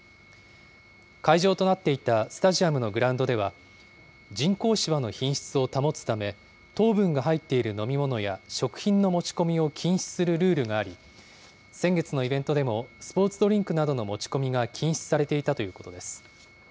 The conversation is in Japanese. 会場となっていたスタジアムのグラウンドでは、人工芝の品質を保つため、糖分が入っている飲み物や食品の持ち込みを禁止するルールがあり、先月のイベントでもスポーツドリンクなどの持ち込みが禁止されていたということです。